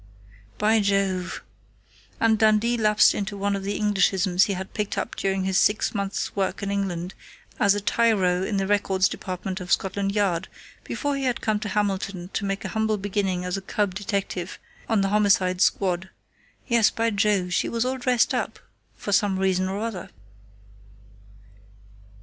By Jove and Dundee lapsed into one of the Englishisms he had picked up during his six months' work in England as a tyro in the records department of Scotland Yard, before he had come to Hamilton to make a humble beginning as a cub detective on the Homicide Squad yes, by Jove, she was all dressed up, for some reason or other.